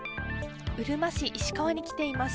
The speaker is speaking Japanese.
うるま市に来ています。